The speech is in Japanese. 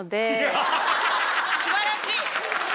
素晴らしい！